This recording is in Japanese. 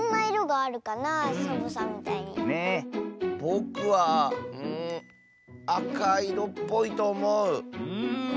ぼくはうんあかいろっぽいとおもう。